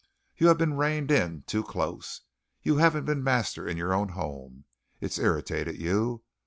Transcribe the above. You have been reined in too close. You haven't been master in your own home. It's irritated you.